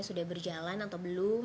sudah berjalan atau belum